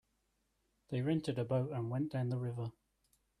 They rented a boat and went down the river.